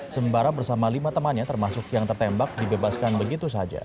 sembara bersama lima temannya termasuk yang tertembak dibebaskan begitu saja